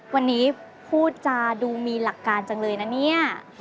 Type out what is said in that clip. วันนี้พูดจาดูมีหลักการจังเลยนะเนี่ย